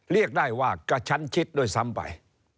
เรียกได้ว่ากระชั้นชิดด้วยซ้ำไป